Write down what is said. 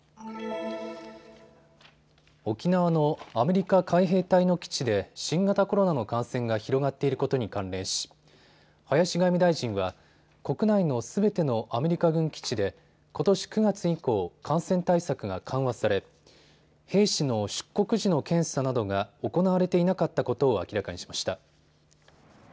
沖縄のアメリカ海兵隊の基地で新型コロナの感染が広がっていることに関連し林外務大臣は国内のすべてのアメリカ軍基地でことし９月以降、感染対策が緩和され兵士の出国時の検査などが行われていなかったことを明らかにしました。